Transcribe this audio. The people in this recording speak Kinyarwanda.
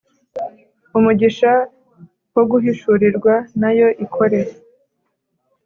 umugisha wo guhishurirwa nayo ikore